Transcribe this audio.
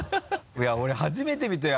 いや俺初めて見たよ